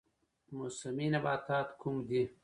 موسمي نباتات کوم دي؟